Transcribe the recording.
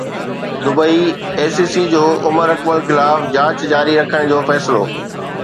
Dubai I C C جو عمر اڪمل خلاف جاچ جاري رکڻ جو فيصلو